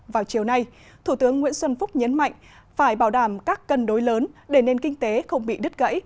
vào chiều nay thủ tướng nguyễn xuân phúc nhấn mạnh phải bảo đảm các cân đối lớn để nền kinh tế không bị đứt gãy